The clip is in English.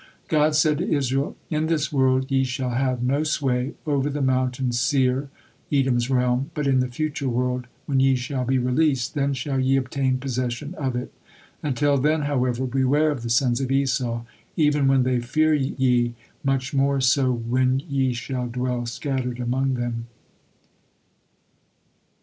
God said to Israel: "In this world ye shall have no sway over the mountain Seir, Edom's realm, but in the future world, when ye shall be released, then shall ye obtain possession of it. Until then, however, beware of the sons of Esau, even when they fear ye, much more so when ye shall dwell scattered among them."